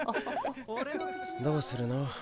どうするの？